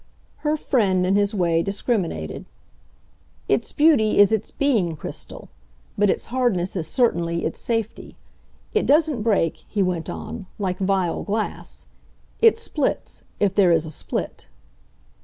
Her friend, in his way, discriminated. "Its beauty is its BEING crystal. But its hardness is certainly, its safety. It doesn't break," he went on, "like vile glass. It splits if there is a split."